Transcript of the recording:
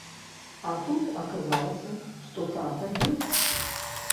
А тут аказалася, што тата ёсць.